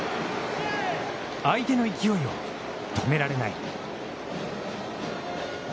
相手の勢いを止められない。